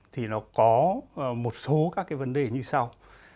thì nó có một số các cái vấn đề như sau